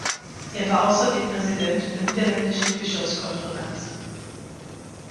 Er war außerdem Präsident der niederländischen Bischofskonferenz.